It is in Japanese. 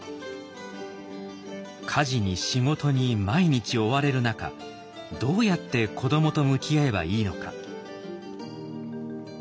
家事に仕事に毎日追われる中どうやって子どもと向き合えばいいのか。